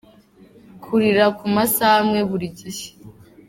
Kurira ku masaha amwe buri gihe.